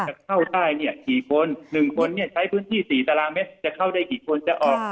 จะเข้าได้เนี่ยกี่คน๑คนเนี่ยใช้พื้นที่๔ตารางเมตรจะเข้าได้กี่คนจะออก